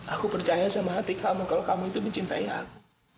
aku percaya sama hati kamu kalau kamu itu mencintai aku